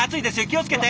気を付けて！